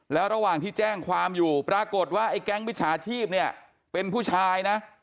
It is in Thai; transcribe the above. แล้วระหว่างที่แจ้งความอยู่ปรากฏว่าไอ้แก๊งมิจฉาชีพเนี่ยเป็นผู้ชายนะ